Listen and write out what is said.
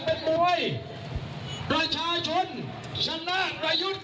ถ้าเทียบกันเป็นมวยประชาชนชนะไลยุทธ์